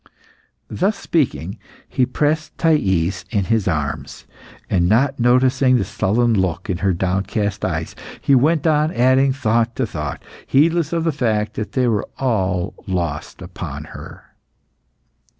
'" Thus speaking, he pressed Thais in his arms, and not noticing the sullen look in her downcast eyes, he went on adding thought to thought, heedless of the fact that they were all lost upon her.